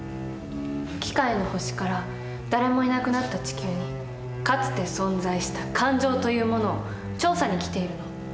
機械の星から誰もいなくなった地球にかつて存在した感情というものを調査に来ているの。